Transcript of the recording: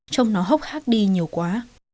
trông nó hốc hác đi nhiều quá